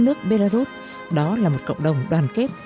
nước belarus đó là một cộng đồng đoàn kết